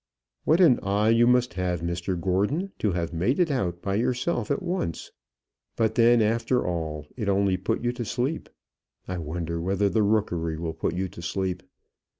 What an eye you must have, Mr Gordon, to have made it out by yourself at once; but then, after all, it only put you to sleep. I wonder whether the Rookery will put you to sleep.